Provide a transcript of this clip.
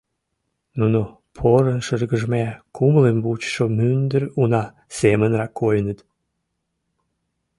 Нуно порын шыргыжме кумылым вучышо мӱндыр уна семынрак койыныт.